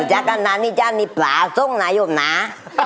ต้องจากนานนี้ซ่านนี้ป๋าสุ่งนายุ่มนา